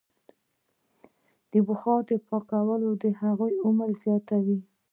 د بخارۍ پاکوالی د هغې عمر زیاتوي.